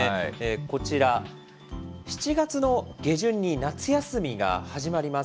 こちら、７月の下旬に夏休みが始まります。